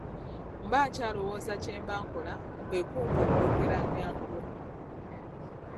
Mba nkyalowooza kye mba nkola kwe kumboggokera nnyanguwe.